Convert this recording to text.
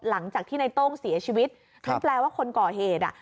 หลังจากที่ในโต้งเสียชีวิตนั่นแปลว่าคนก่อเหตุอ่ะ